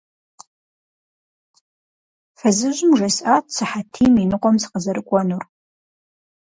Фызыжьым жесӏат сыхьэтийм и ныкъуэм сыкъызэрыкӏуэнур.